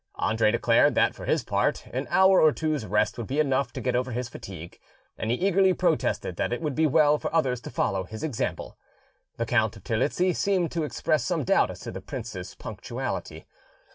Andre declared that, for his part, an hour or two's rest would be enough to get over his fatigue, and he eagerly protested that it would be well for others to follow his example. The Count of Terlizzi seemed to express some doubt as to the prince's punctuality.